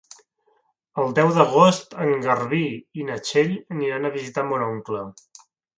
El deu d'agost en Garbí i na Txell aniran a visitar mon oncle.